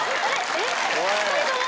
⁉えっ⁉２人とも？